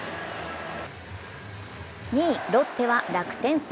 ２位・ロッテは楽天戦。